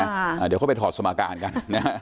เดี๋ยวเขาไปถอดสมการกันนะฮะ